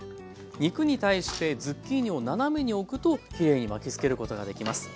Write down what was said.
肉に対してズッキーニを斜めに置くときれいに巻きつけることができます。